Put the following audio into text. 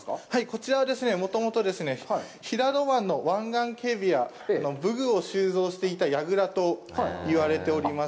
こちらはですね、もともと平戸湾の湾岸警備や武具を収蔵していた櫓と言われております。